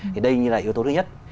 thì đây như là yếu tố thứ nhất